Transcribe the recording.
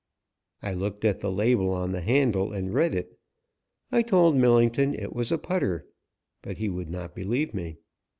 I looked at the label on the handle and read it. I told Millington it was a putter, but he would not believe me.